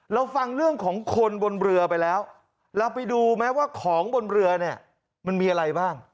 เราฟังเรื่องของคนบนเรือไปแล้วเราไปดูไหมว่าของบนเรือเนี่ยมันมีอะไรบ้าง